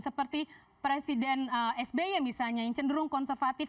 seperti presiden sby misalnya yang cenderung konservatif